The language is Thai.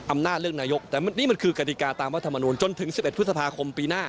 อำนาจเลือกนายกแต่นี่มันคือกฎิกาตามรัฐมนูลจนถึง๑๑พฤษภาคมปีหน้า